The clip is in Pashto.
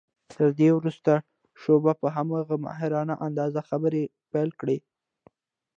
تر دې وروسته شواب په هماغه ماهرانه انداز خبرې پيل کړې.